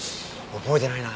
覚えてないな。